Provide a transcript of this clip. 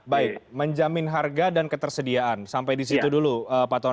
baik menjamin harga dan ketersediaan sampai disitu dulu pak tonan